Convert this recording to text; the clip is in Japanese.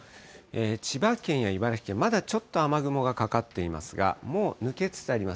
千葉県や茨城県、まだちょっと雨雲がかかっていますが、もう抜けつつあります。